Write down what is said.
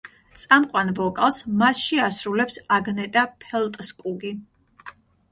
წამყვან ვოკალს მასში ასრულებს აგნეტა ფელტსკუგი.